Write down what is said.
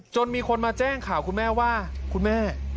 มีคนมาแจ้งข่าวคุณแม่ว่าคุณแม่